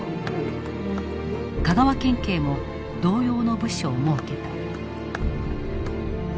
香川県警も同様の部署を設けた。